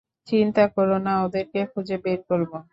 চিন্তা করো না, ওদেরকে খুঁজে বের করব।